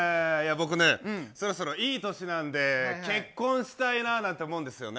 僕ね、そろそろいい年なんで結婚したいなと思うんですよね。